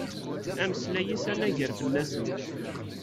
Ameslay-is anagar fell-asen.